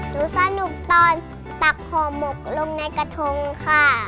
สนุกตอนตักห่อหมกลงในกระทงค่ะ